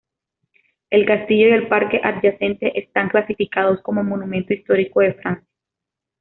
El castillo y el parque adyacente están clasificados como monumento histórico de Francia.